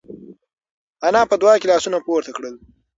انا په دعا کې لاسونه پورته کړل.